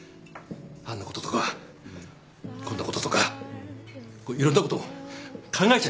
あんなこととかこんなこととかいろんなこと考えちゃいますよ。